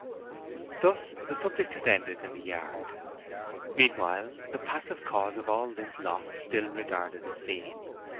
Thus the subject had ended in the yard. Meanwhile, the passive cause of all this loss still regarded the scene.